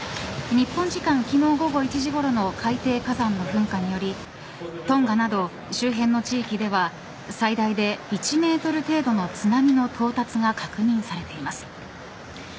日本時間の昨日、午後１時ごろの海底火山の噴火によりトンガなど、周辺の地域では最大で１メートル程度の津波の到達が確認されています。